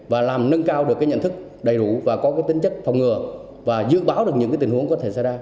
và làm nâng cao được cái nhận thức đầy đủ và có tính chất phòng ngừa và dự báo được những tình huống có thể xảy ra